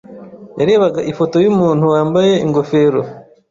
yarebaga ifoto yumuntu wambaye ingofero.